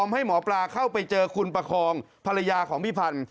ให้หมอปลาเข้าไปเจอคุณประคองภรรยาของพี่พันธ์